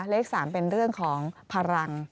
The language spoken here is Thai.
เลข๓เป็นเรื่องของพลัง